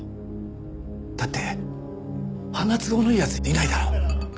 だってあんな都合のいい奴いないだろ？